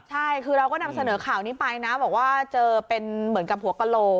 ใช่คือเราก็นำเสนอข่าวนี้ไปนะบอกว่าเจอเป็นเหมือนกับหัวกะโล